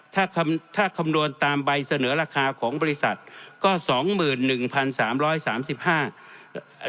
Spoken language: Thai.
ถ้าคำถ้าคำนวณตามใบเสนอราคาของบริษัทก็สองหมื่นหนึ่งพันสามร้อยสามสิบห้า